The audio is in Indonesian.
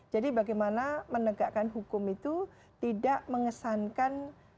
jadi bagaimana menegakkan hukum itu tidak mengesankan